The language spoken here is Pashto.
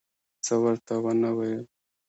څه ورته ونه ویل.